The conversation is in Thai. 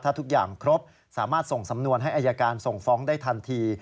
ถ้าทุกอย่างครบสามารถส่งสำนวนให้อายการส่งฟ้องได้ทันที